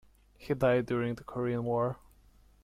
He died during the Korean War.